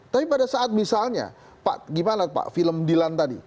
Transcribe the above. tapi pada saat misalnya pak gimana pak film dilan tadi